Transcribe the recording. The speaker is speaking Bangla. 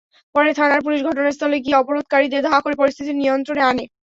পরে থানার পুলিশ ঘটনাস্থলে গিয়ে অবরোধকারীদের ধাওয়া করে পরিস্থিতি নিয়ন্ত্রণে আনে।